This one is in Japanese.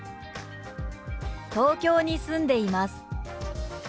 「東京に住んでいます」。